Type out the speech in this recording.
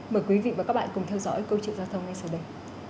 mời quý vị và các bạn cùng theo dõi câu chuyện giao thông ngay sau đây